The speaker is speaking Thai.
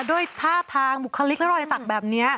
ด้วยท่าทางบุคลิกและรอยสักแบบนี้